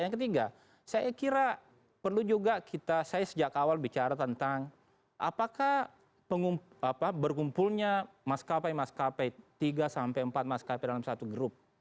yang ketiga saya kira perlu juga kita saya sejak awal bicara tentang apakah berkumpulnya maskapai maskapai tiga sampai empat maskapai dalam satu grup